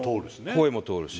声も通るし。